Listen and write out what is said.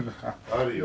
あるよ。